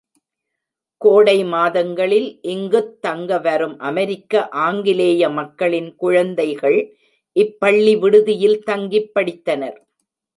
கோடைமாதங்களில் இங்குத் தங்க வரும் அமெரிக்க, ஆங்கிலேய மக்களின் குழந்தைகள் இப்பள்ளிவிடுதியில் தங்கிப் படித்தனர்.